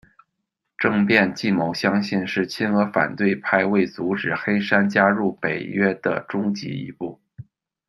政变计谋相信是亲俄反对派为阻止黑山加入北约的终极一步。